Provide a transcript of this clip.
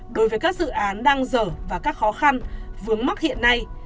đối với các dự án đang dở và các khó khăn vướng mắc hiện nay